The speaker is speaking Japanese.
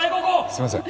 すいません。